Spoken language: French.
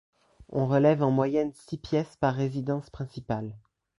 On relève en moyenne six pièces par résidence principale.